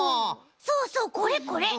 そうそうこれこれ！